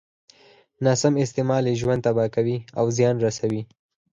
ناسم استعمال يې ژوند تباه کوي او زيان رسوي.